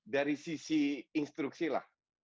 dari sisi instruksi lah